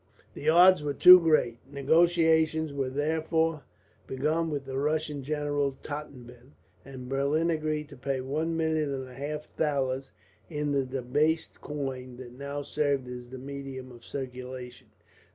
The odds were too great. Negotiations were therefore begun with the Russian general Tottleben, and Berlin agreed to pay one million and a half thalers, in the debased coin that now served as the medium of circulation.